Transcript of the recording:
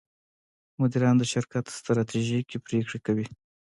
مدیران د شرکت ستراتیژیکې پرېکړې کوي.